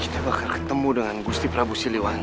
saya bakal ketemu dengan gusti prabu siliwangi